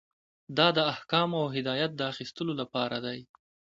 دا د احکامو او هدایت د اخیستلو لپاره دی.